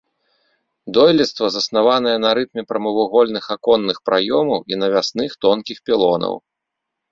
Дойлідства заснаванае на рытме прамавугольных аконных праёмаў і навясных тонкіх пілонаў.